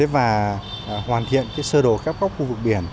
và hoàn thiện sơ đồ khép góc khu vực biển